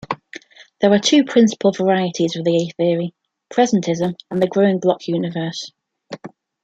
There are two principal varieties of the A-theory, presentism and the growing block universe.